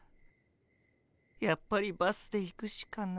やっぱりバスで行くしかない。